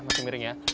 masih miring ya